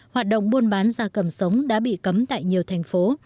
hoạt động buôn bán da cầm sống đã bị cấm tại nhiều thành phố